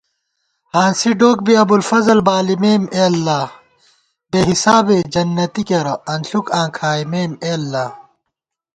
ہانسِی ڈوک بی ابوالفضل بالِمېم اے اللہ * بے حسابے جنتی کېرہ انݪُوک آں کھائیمېم اے اللہ